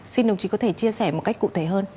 xin đồng chí có thể chia sẻ một cách cụ thể hơn